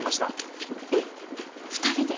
えっ２人で？